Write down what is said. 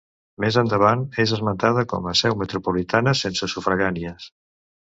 Més endavant, és esmentada com a seu metropolitana sense sufragànies.